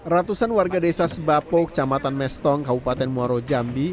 ratusan warga desa sebapo kecamatan mestong kabupaten muaro jambi